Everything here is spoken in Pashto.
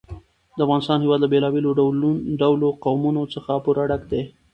د افغانستان هېواد له بېلابېلو ډولو قومونه څخه پوره ډک دی.